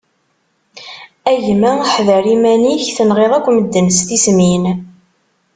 A gma ḥder iman-ik, tenɣiḍ akk medden s tismin.